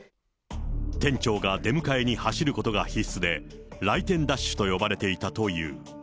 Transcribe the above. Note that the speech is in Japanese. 店長が出迎えに走ることが必須で、来店ダッシュと呼ばれていたという。